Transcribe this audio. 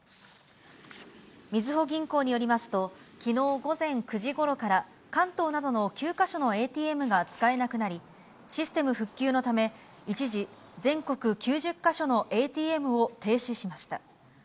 みずほ銀行によりますと、きのう午前９時ごろから、関東などの９か所のＡＴＭが使えなくなり、システム復旧のため、一時、全国９０か所のＡＴＭを停止しました。